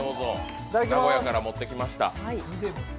名古屋から持ってきました。